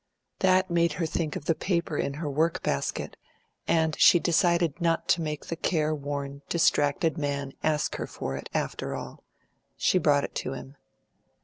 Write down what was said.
That made her think of the paper in her work basket, and she decided not to make the careworn, distracted man ask her for it, after all. She brought it to him.